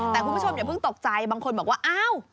แต่คุณผู้ชมอย่าเพิ่งตกใจบางคนบอกว่าอ้าว